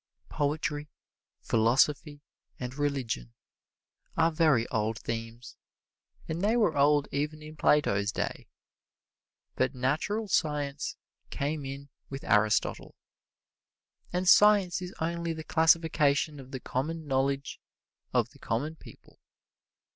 Poetry, philosophy and religion are very old themes, and they were old even in Plato's day; but natural science came in with Aristotle. And science is only the classification of the common knowledge of the common people.